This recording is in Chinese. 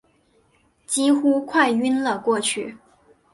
几乎快晕了过去